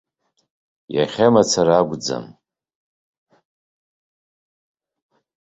Иахьа мацара акәӡам.